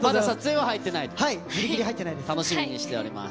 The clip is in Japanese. はい、ぎりぎり入ってないで楽しみにしております。